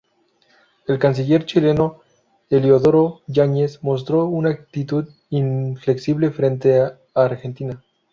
El canciller chileno Eliodoro Yáñez mostró una actitud inflexible frente a Argentina.